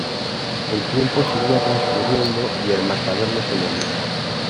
El tiempo seguía transcurriendo y el marcador no se movía.